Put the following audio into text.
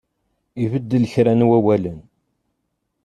Ibeddel kra n wawalen.